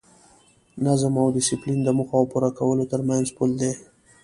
نظم او ډیسپلین د موخو او پوره کولو ترمنځ پل دی.